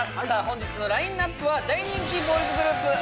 本日のラインナップは大人気ボーイズグループ